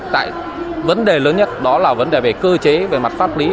tại vấn đề lớn nhất đó là vấn đề về cơ chế về mặt pháp lý